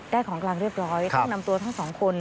ของกลางเรียบร้อยต้องนำตัวทั้งสองคน